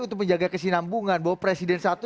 untuk menjaga kesinambungan bahwa presiden satu